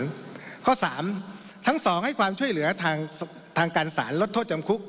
ข้อ๓ทั้งสองให้ความช่วยเหลือทางการสารลดโทษจำคุก